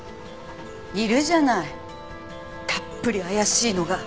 いるじゃないたっぷり怪しいのが。